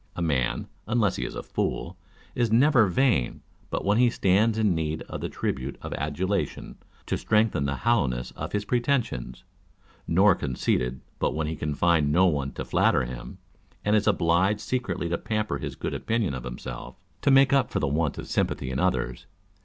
A man (unless he is a fool) is never vain but when he stands in need of the tribute of adulation to strengthen the hollowness of his pretensions ; nor conceited but when he can find no one to flatter him, and is obliged secretly to pamper his good opinion of himself, to make up for the want of sympathy in others.